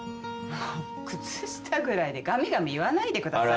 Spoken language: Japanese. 靴下ぐらいでガミガミ言わないでくださいよ。